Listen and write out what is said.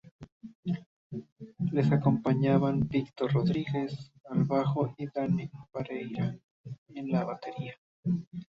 Les acompañaban Víctor Rodríguez al bajo y Dani Pereira a la batería.